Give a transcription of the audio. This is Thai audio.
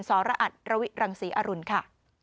สรอัตรวิรังศรีอรุณค่ะ